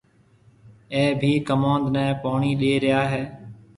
اَي ڀِي ڪموُند نَي پوڻِي ڏيَ ريا هيَ۔